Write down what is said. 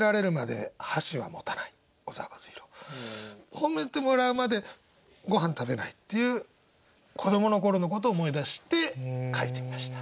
褒めてもらうまでごはん食べないっていう子どもの頃のことを思い出して書いてみました。